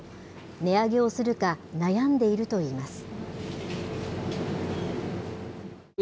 値上げをするか悩んでいるといいます。